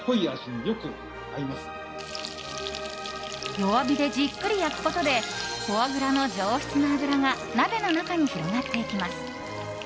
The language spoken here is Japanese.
弱火でじっくり焼くことでフォアグラの上質な脂が鍋の中に広がっていきます。